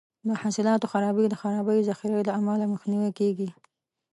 د حاصلاتو خرابي د خرابې ذخیرې له امله مخنیوی کیږي.